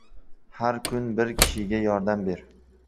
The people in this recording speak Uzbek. Har kun bir kishiga yordam ber!